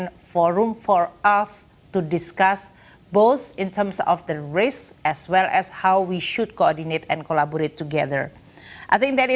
sebuah forum kooperasi untuk kita untuk berbicara tentang risiko dan cara kita harus koordinasi dan kolaborasi bersama